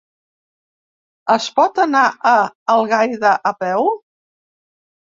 Es pot anar a Algaida a peu?